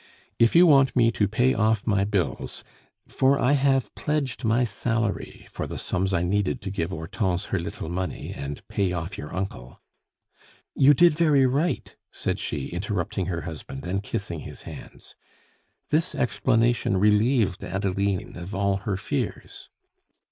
If you want me to pay off my bills for I have pledged my salary for the sums I needed to give Hortense her little money, and pay off your uncle " "You did very right!" said she, interrupting her husband, and kissing his hands. This explanation relieved Adeline of all her fears.